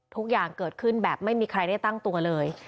ทุกอย่างเกิดขึ้นแบบไม่มีใครได้ตั้งตัวเลย